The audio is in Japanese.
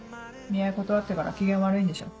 見合い断ってから機嫌悪いんでしょ？